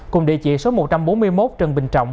cùng địa chỉ số một trăm bốn mươi một trần bình trọng